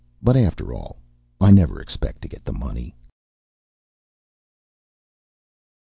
But after all, I never expect to get the money.